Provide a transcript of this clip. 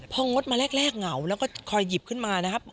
พองดมาแรกเหงาแล้วก็คอยหยิบขึ้นมานะครับ